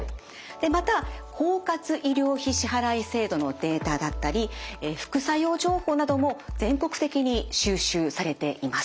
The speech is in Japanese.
また包括医療費支払い制度のデータだったり副作用情報なども全国的に収集されています。